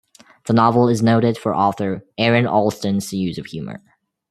The novel is noted for author Aaron Allston's use of humour.